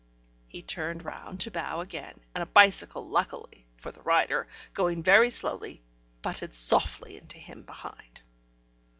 He turned round to bow again, and a bicycle luckily (for the rider) going very slowly, butted softly into him behind.